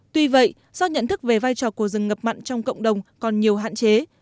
tuy vậy do nhận thức về vai trò của rừng ngập mặn trong cộng đồng còn nhiều hạn chế